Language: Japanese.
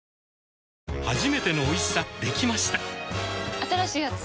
新しいやつ？